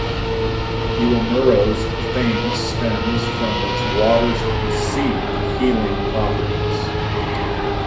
Iwamuro's fame stems from its waters 'perceived' healing properties.